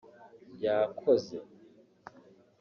yakoze